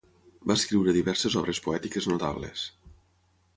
Va escriure diverses obres poètiques notables.